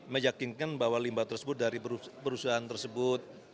meyakinkan bahwa limbah tersebut dari perusahaan tersebut